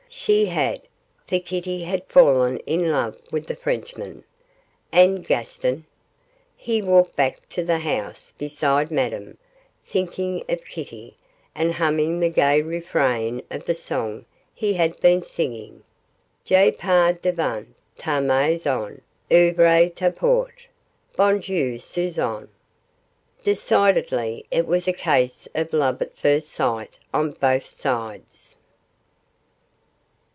She had, for Kitty had fallen in love with the Frenchman. And Gaston? He walked back to the house beside Madame, thinking of Kitty, and humming the gay refrain of the song he had been singing 'Je passe devant ta maison Ouvre ta porte, Bonjour, Suzon.' Decidedly it was a case of love at first sight on both sides.